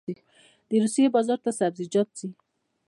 د روسیې بازار ته سبزیجات ځي